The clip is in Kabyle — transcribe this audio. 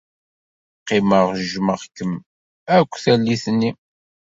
Qqimeɣ jjmeɣ-kem akk tallit-nni.